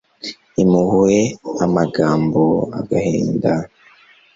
impuhwe amagambo agahinda